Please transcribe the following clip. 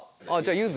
ゆず。